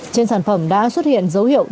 trên sản phẩm đã xuất hiện dấu hiệu